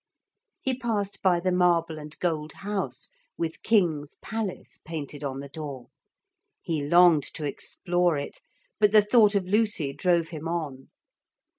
He passed by the marble and gold house with King's Palace painted on the door. He longed to explore it: but the thought of Lucy drove him on.